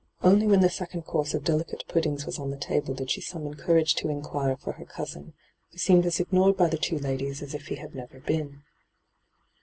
Only when the second course of delicate puddings was on the table did she summon courage to inquire for her cousin, who seemed aa ignored by the two ladies as if he had never been.